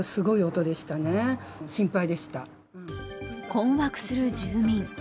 困惑する住民。